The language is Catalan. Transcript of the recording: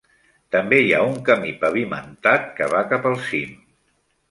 També hi ha un camí pavimentat que va cap al cim.